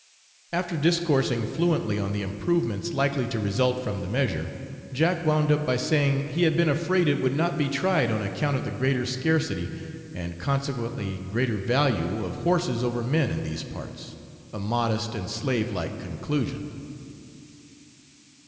After discoursing fluently on the improvements likely to result from the measure, Jack wound up by saying he had been afraid it would not be tried on account of the greater scarcity, and consequently greater value, of horses over men in these parts a modest and slave like conclusion.